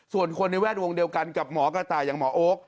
ส่วนคนในแวดวงเดียวกันกับหมอกระต่ายอย่างหมอโอ๊ค